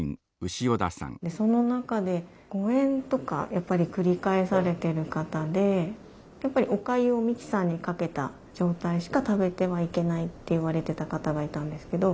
その中で誤えんとかやっぱり繰り返されてる方でやっぱりおかゆをミキサーにかけた状態しか食べてはいけないって言われてた方がいたんですけど。